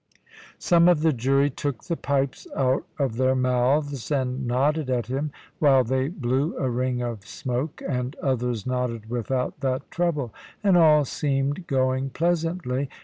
Some of the jury took the pipes out of their mouths and nodded at him, while they blew a ring of smoke; and others nodded without that trouble; and all seemed going pleasantly.